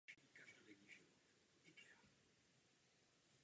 Byl zároveň knězem v několika slunečních chrámech.